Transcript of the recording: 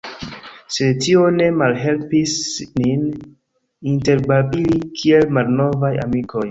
Sed tio ne malhelpis nin interbabili kiel malnovaj amikoj.